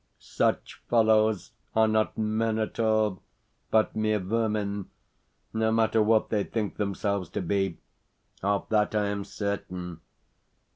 Such fellows are not men at all, but mere vermin, no matter what they think themselves to be. Of that I am certain.